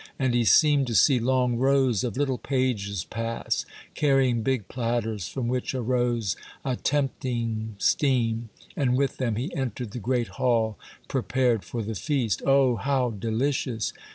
And he seemed to see long rows of little pages pass, carrying big platters from which arose a tempting steam, and with them he entered the great hall prepared for the feast. Oh, how delicious